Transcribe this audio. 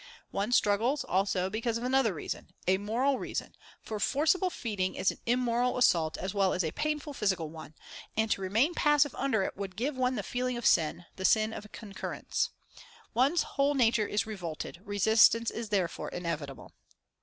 One struggles, also, because of another reason a moral reason for forcible feeding is an immoral assault as well as a painful physical one, and to remain passive under it would give one the feeling of sin; the sin of concurrence. One's whole nature is revolted; resistance is therefore inevitable."